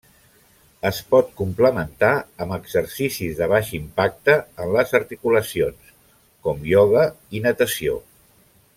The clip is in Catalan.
Es pot complementar amb exercicis de baix impacte en les articulacions, com ioga i natació.